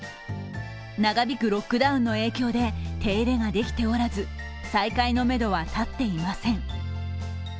長引くロックダウンの影響で手入れができておらず、再開のメドは立っていません。